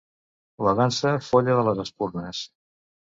La dansa folla de les espurnes.